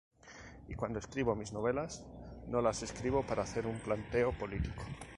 Y cuando escribo mis novelas, no las escribo para hacer un planteo político.